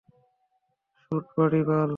শুটু, বাড়ি বাল!